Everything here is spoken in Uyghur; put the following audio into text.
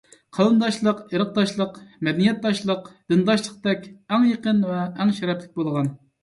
قەۋمداشلىق، ئىرقداشلىق، مەدەنىيەتداشلىق، دىنداشلىقتەك ئەڭ يېقىن ۋە ئەڭ شەرەپلىك بولغان.